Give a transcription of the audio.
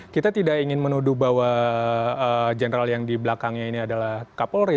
kita tidak ingin menuduh bahwa general yang di belakangnya ini adalah kapolri